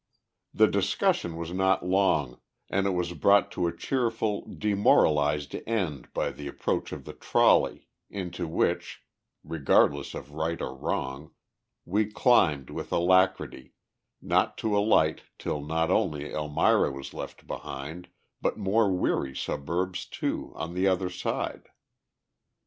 The discussion was not long, and it was brought to a cheerful, demoralized end by the approach of the trolley, into which, regardless of right or wrong, we climbed with alacrity, not to alight till not only Elmira was left behind, but more weary suburbs, too, on the other side.